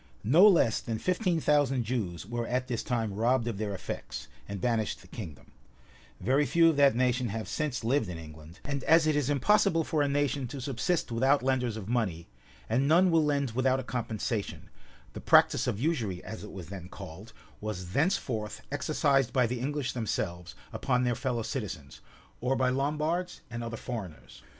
No less than fifteen thousand Jews were at this time robbed of their effects, and banished the kingdom: very few of that nation have since lived in England: and as it is impossible for a nation to subsist without lenders of money, and none will lend without a compensation, the practice of usury, as it was then called, was thenceforth exercised by the English themselves upon their fellow citizens, or by Lombards and other foreigners.